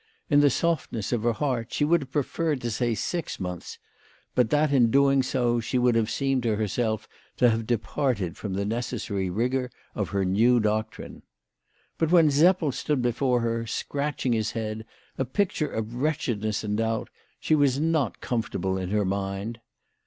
In the softness of her heart she would have preferred to say six months, but that in doing so she would have seemed to herself to have departed from the necessary rigour of her new doctrine. But when Seppel stood before her, scratching his head, a picture of wretchedness and doubt, she was not com fortable in her mind.